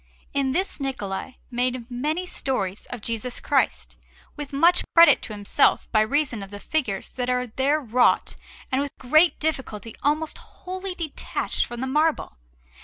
In this Niccola made many stories of Jesus Christ, with much credit to himself, by reason of the figures that are there wrought and with great difficulty almost wholly detached from the marble.